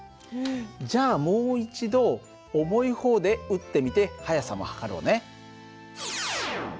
じゃあもう一度重い方で撃ってみて速さも測ろうね。